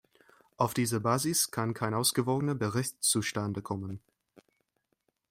Auf dieser Basis kann kein ausgewogener Bericht zustande kommen.